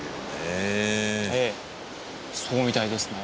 ええそうみたいですね。